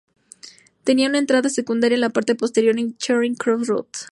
Tenía una entrada secundaria en la parte posterior, en Charing Cross Road.